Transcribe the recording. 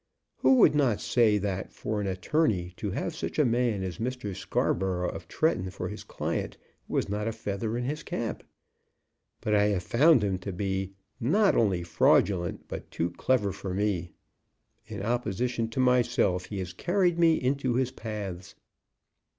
Who would not say that for an attorney to have such a man as Mr. Scarborough, of Tretton, for his client, was not a feather in his cap? But I have found him to be not only fraudulent, but too clever for me. In opposition to myself he has carried me into his paths."